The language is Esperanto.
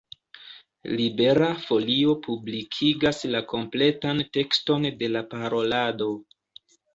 Libera Folio publikigas la kompletan tekston de la parolado.